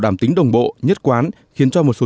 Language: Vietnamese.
quý tiết kiệm rất lớn